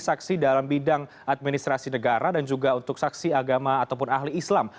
saksi dalam bidang administrasi negara dan juga untuk saksi agama ataupun ahli islam